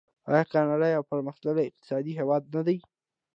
آیا کاناډا یو پرمختللی اقتصادي هیواد نه دی؟